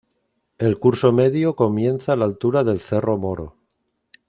El curso medio comienza a la altura del cerro Moro.